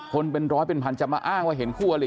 เป็นร้อยเป็นพันจะมาอ้างว่าเห็นคู่อลิ